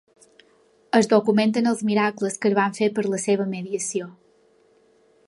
Es documenten els miracles que es van fer per la seva mediació.